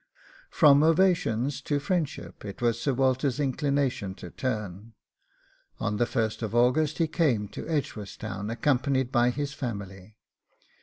From ovations to friendship it was Sir Walter's inclination to turn. On the 1st August he came to Edgeworthstown, accompanied by his family.